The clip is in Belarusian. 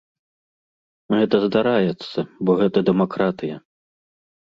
Гэта здараецца, бо гэта дэмакратыя.